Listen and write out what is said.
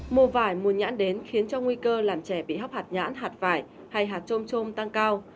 mùa vải mùa nhãn đến khiến cho nguy cơ làm trẻ bị hấp hạt nhãn hạt vải hay hạt trôm trôm tăng cao